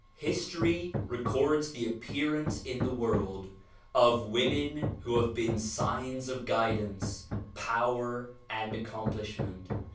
History records the appearance in the world, of women who have been signs of guidance, power and accomplishment.